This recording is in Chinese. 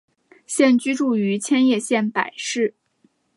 现居住于千叶县柏市。